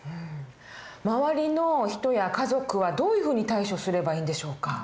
周りの人や家族はどういうふうに対処すればいいんでしょうか？